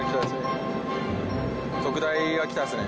特大が来たっすね。